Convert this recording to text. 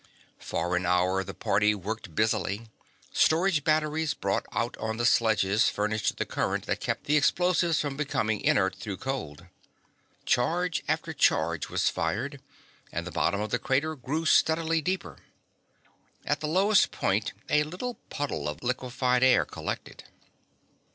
For an hour the party worked busily. Storage batteries brought out on sledges furnished the current that kept the explosives from becoming inert through cold. Charge after charge was fired, and the bottom of the crater grew steadily deeper. At the lowest point a little puddle of liquified air collected.